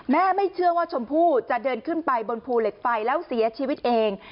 ไม่เชื่อว่าชมพู่จะเดินขึ้นไปบนภูเหล็กไฟแล้วเสียชีวิตเอง